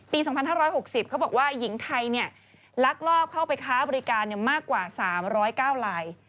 ๒๕๖๐เขาบอกว่าหญิงไทยลักลอบเข้าไปค้าบริการมากกว่า๓๐๙ลาย